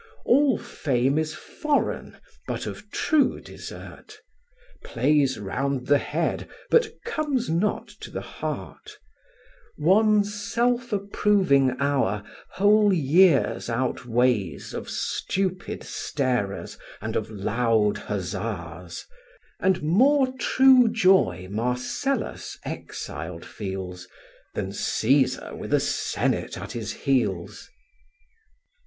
All fame is foreign, but of true desert; Plays round the head, but comes not to the heart: One self approving hour whole years outweighs Of stupid starers, and of loud huzzas; And more true joy Marcellus exiled feels, Than Cæsar with a senate at his heels.